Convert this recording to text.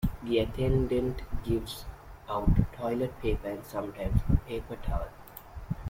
The attendant gives out toilet paper and sometimes a paper towel.